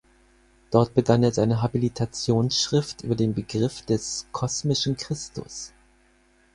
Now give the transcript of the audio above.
Dort begann er seine Habilitationsschrift über den Begriff des „kosmischen Christus“.